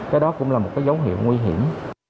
cái đó cũng là một cái dấu hiệu nguy hiểm